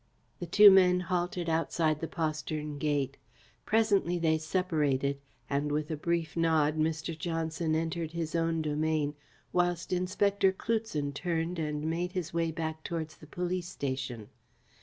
The two men halted outside the postern gate. Presently they separated, and, with a brief nod, Mr. Johnson entered his own domain, whilst Inspector Cloutson turned and made his way back towards the police station.